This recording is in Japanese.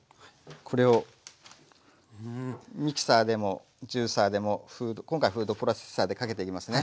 これをミキサーでもジューサーでも今回フードプロセッサーでかけていきますね。